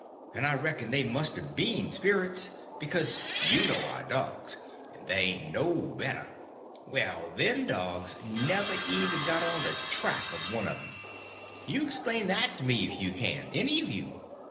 And I reckon they must a been sperits—because, you know our dogs, and ther' ain't no better; well, them dogs never even got on the track of 'm once! You explain that to me if you can!—any of you!"